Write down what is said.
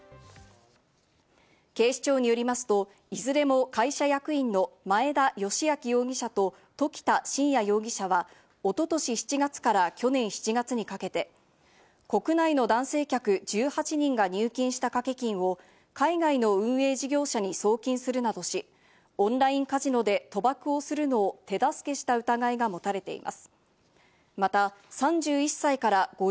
警視庁によりますと、いずれも会社役員の前田由顕容疑者と時田慎也容疑者はおととし７月から去年７月にかけて、国内の男性客１８人が入金し賭け金を海外の運営事業者に送金するなどし、オンラインカジノで賭博をするのを手助けした疑いが持たれています。